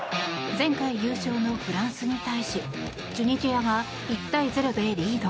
前回優勝のフランスに対しチュニジアが１対０でリード。